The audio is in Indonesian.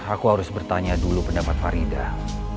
aku harus bertanya dulu pendapat faridah